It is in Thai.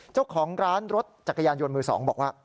เจ้าของร้านรถจักรยานยนต์มือ๒บอกว่า